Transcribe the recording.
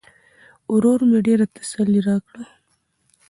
ورور مې ډېره تسلا راکړه.